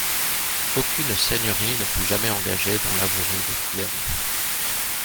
Aucune seigneurie ne fut jamais engagée dans l'avouerie de Fléron.